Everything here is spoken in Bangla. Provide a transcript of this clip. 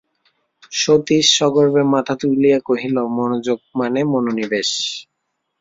সতীশ সগর্বে মাথা তুলিয়া কহিল, মনোযোগ মানে মনোনিবেশ।